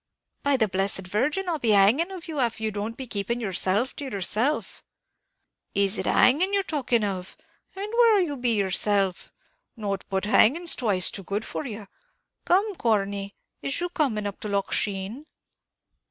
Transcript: By the blessed Virgin, I'll be the hanging of you av you don't be keeping yerself to yerself." "Is it hanging yer talking of? And where'll you be yerself? Not but hanging's twice too good for you. Come, Corney, is you coming up to Loch Sheen?"